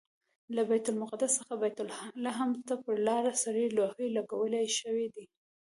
له بیت المقدس څخه بیت لحم ته پر لاره سرې لوحې لګول شوي دي.